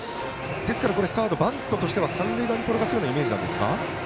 サード、バントとしては三塁側に転がすような感じですか。